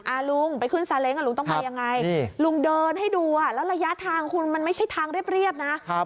ลุงไปขึ้นซาเล้งอ่ะลุงต้องมายังไงลุงเดินให้ดูอ่ะแล้วระยะทางคุณมันไม่ใช่ทางเรียบนะ